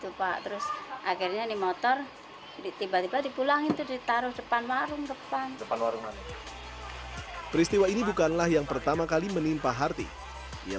ditaruh depan warung depan depan warungan peristiwa ini bukanlah yang pertama kali menimpa harti ia